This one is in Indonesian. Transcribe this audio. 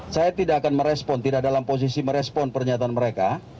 saya tidak akan merespon tidak dalam posisi merespon pernyataan mereka